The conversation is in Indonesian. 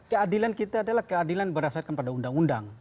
keadilan kita adalah keadilan berdasarkan pada undang undang